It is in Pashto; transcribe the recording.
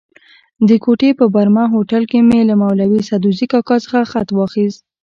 د کوټې په برمه هوټل کې مې له مولوي سدوزي کاکا څخه خط واخیست.